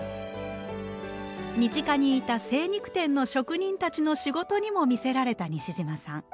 身近にいた精肉店の職人たちの仕事にも魅せられた西島さん。